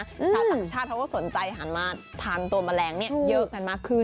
ชาวต่างชาติเขาก็สนใจหันมาทานตัวแมลงเนี่ยเยอะกันมากขึ้น